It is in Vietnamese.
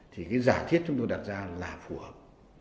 thì cái giả thiết chúng tôi đặt ra là phù hợp